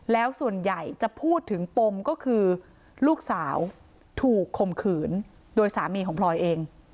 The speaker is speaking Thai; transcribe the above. แล้วส่วนใหญ่จะพูดถึงปมก็คือลูกสาวถูกคมขืนโดยสามีของพลอยเอง